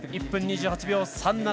１分２８秒３７。